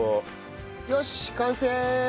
よし完成！